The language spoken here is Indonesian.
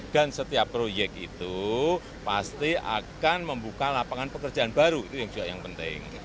dan setiap proyek itu pasti akan membuka lapangan pekerjaan baru itu juga yang penting